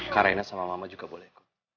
karena sama mama juga boleh